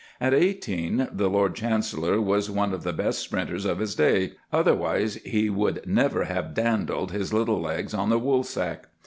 At eighteen the Lord Chancellor was one of the best sprinters of his day, otherwise he would never have dandled his little legs on the Woolsack.